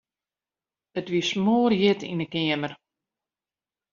It wie smoarhjit yn 'e keamer.